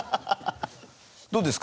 どうですか？